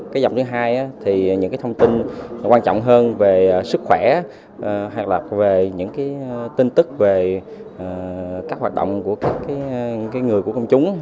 cái dòng thứ hai thì những cái thông tin quan trọng hơn về sức khỏe hoặc là về những cái tin tức về các hoạt động của các người của công chúng